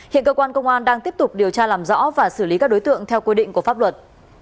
hiện cơ quan công an đang tiếp tục điều tra làm rõ và xử lý các đối tượng theo quy định của pháp luật